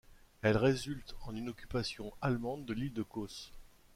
Elle résulte en une occupation allemande de l'île de Kos.